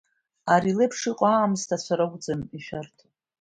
Ари леиԥш иҟоу аамсҭацәа ракәӡам ишәарҭоу!